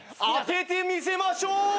当ててみせましょう！